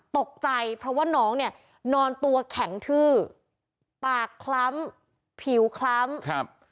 ตกใจเพราะว่าน้องเนี่ยนอนตัวแข็งทื้อปากคล้ำผิวคล้ำครับ